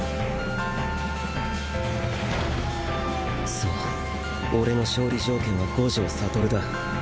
そう俺の勝利条件は五条悟だ。